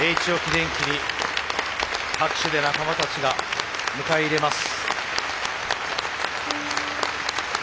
電機に拍手で仲間たちが迎え入れます。